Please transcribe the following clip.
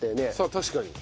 確かに。